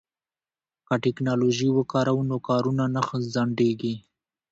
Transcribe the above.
که ټیکنالوژي وکاروو نو کارونه نه ځنډیږي.